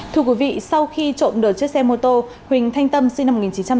thưa quý vị sau khi trộm được chiếc xe mô tô huỳnh thanh tâm sinh năm một nghìn chín trăm tám mươi